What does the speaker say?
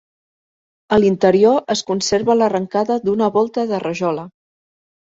A l'interior es conserva l'arrencada d'una volta de rajola.